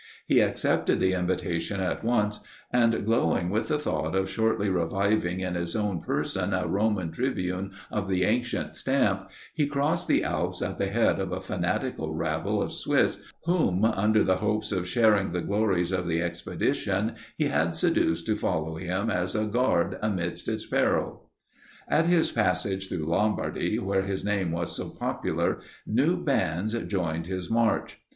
He accepted the invitation at once; and glowing with the thought of shortly reviving in his own person a Roman tribune of the ancient stamp, he crossed the Alps at the head of a fanatical rabble of Swiss, whom, under the hopes of sharing the glories of the expedition, he had seduced to follow him as a guard amid its perils. At his passage through Lombardy, where his name was so popular, new bands joined his march.